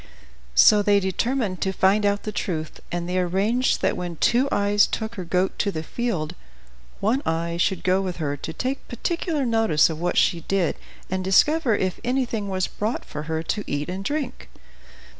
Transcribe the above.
So they determined to find out the truth, and they arranged that when Two Eyes took her goat to the field, One Eye should go with her to take particular notice of what she did, and discover if anything was brought for her to eat and drink.